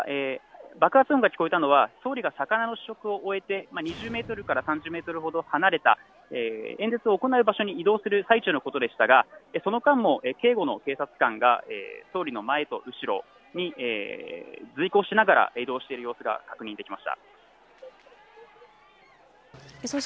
爆発音が聞こえたのは総理が魚の試食を終えて２０メートルから３０メートルほど離れた演説を行う場所に移動する最中のことでしたがその間も警護の警察官が総理の前と後ろに随行しながら移動している様子が確認できました。